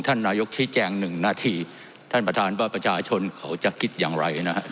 นายกชี้แจงหนึ่งนาทีท่านประธานว่าประชาชนเขาจะคิดอย่างไรนะฮะ